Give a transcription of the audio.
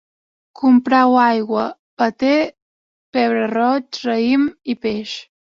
Comprau aigua, paté, pebre roig, raïm i peix